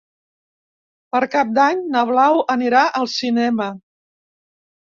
Per Cap d'Any na Blau anirà al cinema.